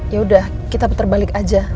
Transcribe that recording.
yaudah kita puter balik aja